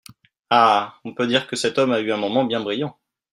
Ah ! on peut dire que cet homme a eu un moment bien brillant !